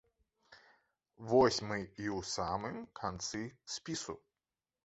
Вось мы і ў самым канцы спісу.